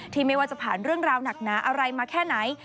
ไม่ว่าจะผ่านเรื่องราวหนักหนาอะไรมาแค่ไหน